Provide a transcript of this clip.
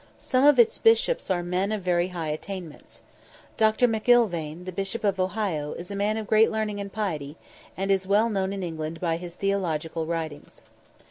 Some of its bishops are men of very high attainments. Dr. McIlvaine, the Bishop of Ohio, is a man of great learning and piety, and is well known in England by his theological writings.